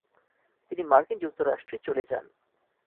তিনি মার্কিন যুক্তরাষ্ট্রে চলে যান।